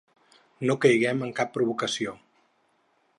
No caiguem en cap provocació.